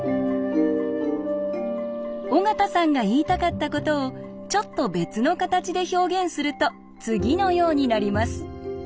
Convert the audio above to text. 尾形さんが言いたかったことをちょっと別の形で表現すると次のようになります。